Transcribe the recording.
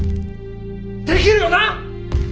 できるよな？